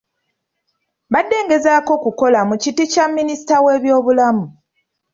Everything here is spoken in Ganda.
Mbadde ngezaako kukola mu kiti kya Minisita w’ebyobulamu.